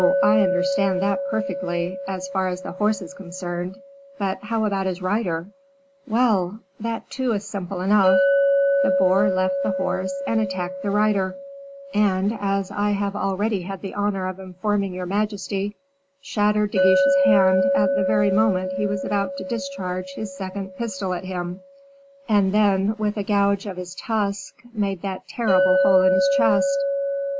I understand that perfectly, as far as the horse is concerned; but how about his rider?" "Well! that, too, is simple enough; the boar left the horse and attacked the rider; and, as I have already had the honor of informing your majesty, shattered De Guiche's hand at the very moment he was about to discharge his second pistol at him, and then, with a gouge of his tusk, made that terrible hole in his chest."